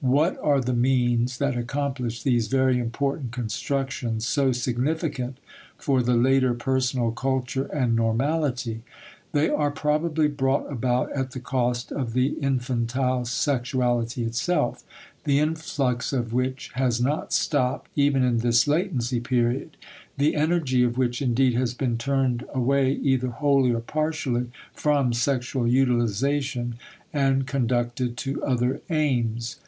* What are the means that accomplish these very important constructions so significant for the later personal culture and normality? They are probably brought about at the cost of the infantile sexuality itself, the influx of which has not stopped even in this latency period the energy of which indeed has been turned away either wholly or partially from sexual utilization and conducted to other aims.